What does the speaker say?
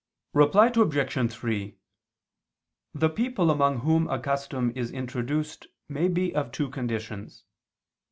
Reply Obj. 3: The people among whom a custom is introduced may be of two conditions.